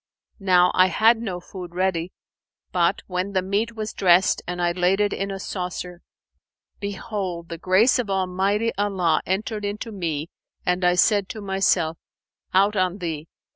Now I had no food ready; but, when the meat was dressed and I laid it in a saucer, behold, the grace of Almighty Allah entered into me and I said to myself, 'Out on thee!